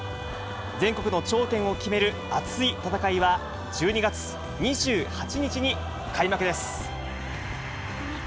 全国の頂点を決める熱い戦いは、１２月２８日に開幕です。